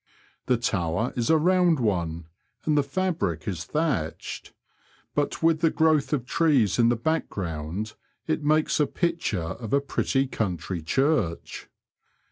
The tower is a round one, and the fabric is thatched, but with the growth of trees in the back ground it makes a picture of a pretty country church.